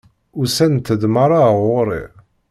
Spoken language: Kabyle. Usant-d meṛṛa ar ɣur-i!